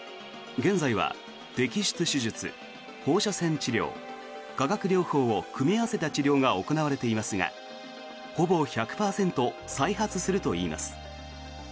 現在は摘出手術、放射線治療化学療法を組み合わせた治療が行われていますがほぼ１００％再発するといいます。